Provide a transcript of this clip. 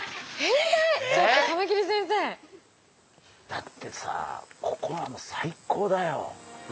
だってさここはもう最高だよ！